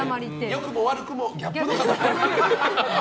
良くも悪くも、ギャップの塊！